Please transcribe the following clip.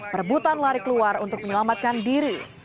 perbutan lari keluar untuk menyelamatkan diri